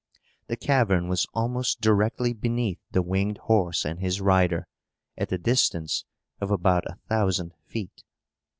The cavern was almost directly beneath the winged horse and his rider, at the distance of about a thousand feet.